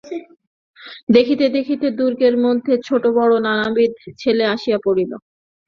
দেখিতে দেখিতে দুর্গের মধ্যে ছোটোবড়ো নানাবিধ ছেলে আসিয়া পড়িল।